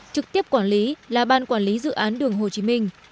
trực tiếp quản lý là ban quản lý dự án đường hồ chí minh